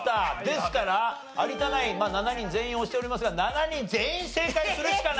ですから有田ナイン７人全員押しておりますが７人全員正解するしかない。